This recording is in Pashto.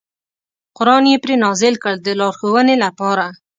قران یې پرې نازل کړ د لارښوونې لپاره.